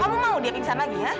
kamu mau dia pingsan lagi ya